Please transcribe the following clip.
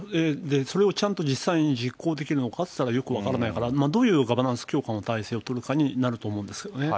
それをちゃんと実際に実行できるのかっていったら、よく分からないから、どういうガバナンス強化の体制を取るかになると思うんですよね。